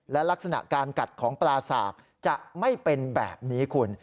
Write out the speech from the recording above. และลักษณะการกัดของปลาสากจะไม่เป็นแบบนี้คุณ